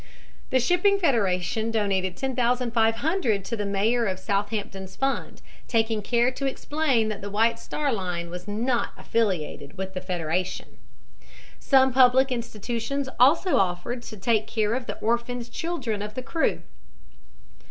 The Shipping Federation donated $10,500 to the Mayor of Southampton's fund, taking care to explain that the White Star Line was not affiliated with the Federation. Some public institutions also offered to take care of the orphaned children of the crew.